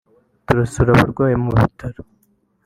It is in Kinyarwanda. tuzasura abarwayi mu bitaro